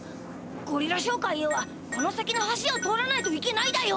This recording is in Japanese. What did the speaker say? ゴリラ商会へはこの先の橋を通らないといけないだよ。